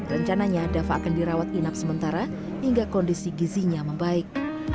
rencananya dava akan dirawat inap sementara hingga kondisi gizinya membaik